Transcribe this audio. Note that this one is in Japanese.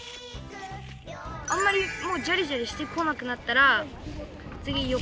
あんまりもうジャリジャリしてこなくなったらつぎよ